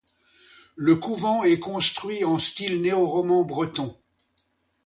Le couvent est construit en style néoroman breton.